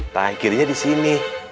tangan kirinya disini